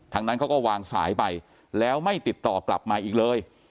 นั้นเขาก็วางสายไปแล้วไม่ติดต่อกลับมาอีกเลย